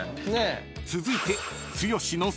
［続いて］